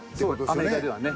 そうアメリカではね。